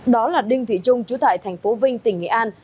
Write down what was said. đó là đinh thị trung chú tại thành phố vinh tỉnh nghệ an